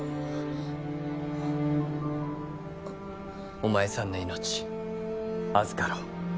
お前さんの命預かろう。